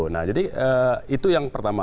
nah jadi itu yang pertama